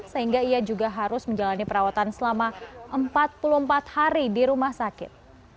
sehingga ia juga harus menjalani perawatan selama empat puluh empat hari di rumah sakit